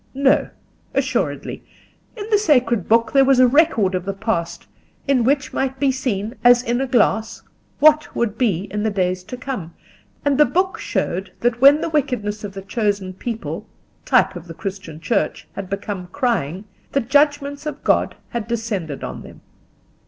No, assuredly: in the Sacred Book there was a record of the past in which might be seen as in a glass what would be in the days to come, and the book showed that when the wickedness of the chosen people, type of the Christian Church, had become crying, the judgments of God had descended on them.